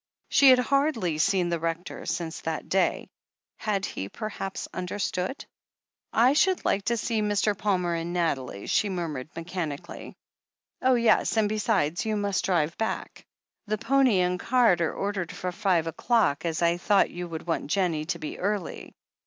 She had hardly seen the Rector since that day. Had he, perhaps, understood? *T should like to see Mr. Palmer and Nathalie," she murmured mechanically. "Oh, yes, and, besides, you must drive back. The pony and cart are ordered for five o'clock, as I thought you would want Jennie to be early.